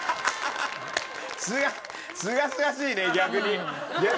すがすがしいね逆に。